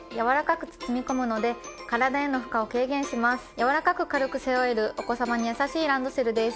やわらかく軽く背負えるお子さまに優しいランドセルです。